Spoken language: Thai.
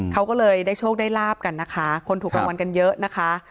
เขาก็เลยได้โชคได้ลาบกันนะคะคนถูกรางวัลกันเยอะนะคะ